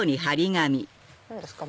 何ですか？